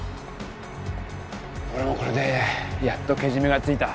俺もこれでやっとけじめがついた。